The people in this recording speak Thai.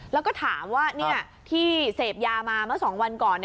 แล้วก็ถามว่าที่เสพยามาเมื่อ๒วันก่อน